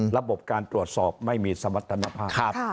ระบบการตรวจสอบไม่มีสมรรถภาพ